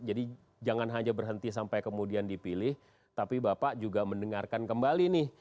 jadi jangan hanya berhenti sampai kemudian dipilih tapi bapak juga mendengarkan kembali nih